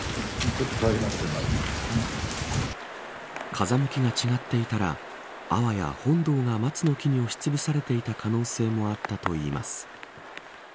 風向きが違っていたらあわや本堂が松の木に押しつぶされていた可能性もあったといいます。